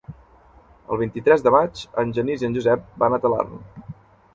El vint-i-tres de maig en Genís i en Josep van a Talarn.